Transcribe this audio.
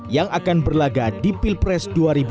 yang akan berlaga di pilpres dua ribu dua puluh